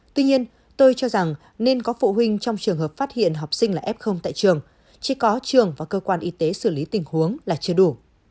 tuy nhiên tôi cho rằng nên có phụ huynh trong trường hợp phát hiện học sinh là f tại trường chỉ có trường và cơ quan y tế xử lý tình huống là chưa đủ